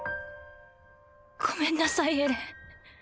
ごめんなさいエレン。